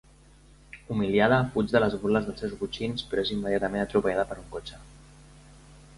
Humiliada, fuig de les burles dels seus botxins però és immediatament atropellada per un cotxe.